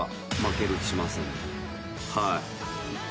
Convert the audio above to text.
はい。